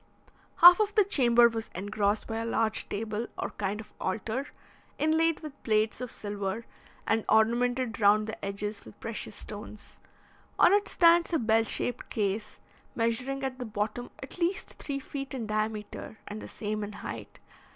Half of the chamber was engrossed by a large table, or kind of altar, inlaid with plates of silver, and ornamented round the edges with precious stones. On it stands a bell shaped case, measuring at the bottom at least three feet in diameter, and the same in height.